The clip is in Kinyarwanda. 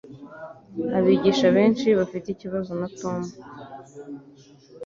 Abigisha benshi bafite ikibazo na Tom.